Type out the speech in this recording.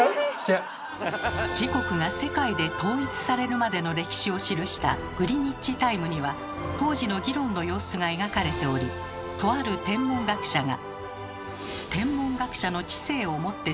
時刻が世界で統一されるまでの歴史を記した「グリニッジ・タイム」には当時の議論の様子が描かれておりとある天文学者が。